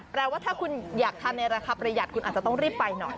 แปลว่าถ้าคุณอยากทานในราคาประหยัดคุณอาจจะต้องรีบไปหน่อย